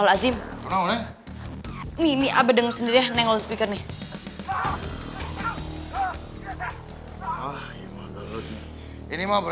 apa bawa yang air tawar